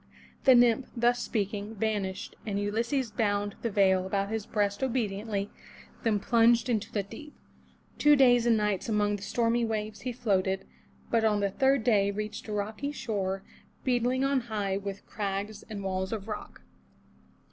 The nymph, thus speaking, vanished and Ulysses bound the veil about his breast obediently, then plunged into the deep. Two days and nights among the stormy waves he floated, but on the third day reached a rocky shore beetling on high with crags and 426 FROM THE TOWER WINDOW walls of rock.